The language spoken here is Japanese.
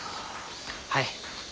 はい。